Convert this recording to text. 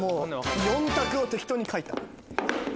４択を適当に書いた。